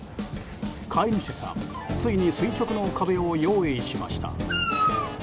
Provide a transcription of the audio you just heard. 飼い主さん、ついに垂直の壁を用意しました。